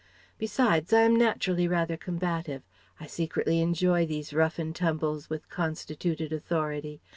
Besides, I am naturally rather combative; I secretly enjoy these rough and tumbles with constituted authority.